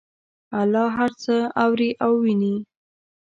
الله هر څه اوري او ویني